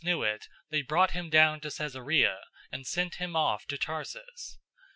"} knew it, they brought him down to Caesarea, and sent him off to Tarsus.